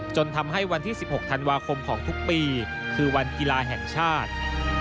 จนทำให้วันที่๑๖ธันวาคมของทุกปีคือวันกีฬาแห่งชาติ